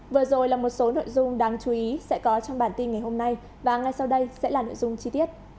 vừa rồi là một số nội dung đáng chú ý sẽ có trong bản tin ngày hôm nay và ngay sau đây sẽ là nội dung chi tiết